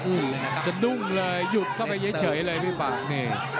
หุ่นสนุกเลยหยุดเข้าไปเย็บเฉยเลยพี่ฝั่ง